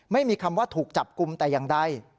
ไม่มีคำว่าถูกจับกลุ่มแต่อย่างใด